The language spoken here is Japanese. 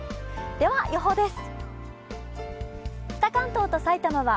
では、予報です。